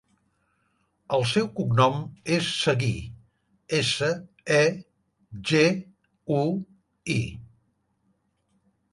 El seu cognom és Segui: essa, e, ge, u, i.